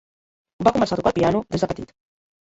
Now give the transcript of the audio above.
Va començar a tocar el piano des de petit.